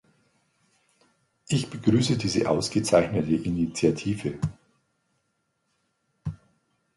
Ich begrüße diese ausgezeichnete Initiative.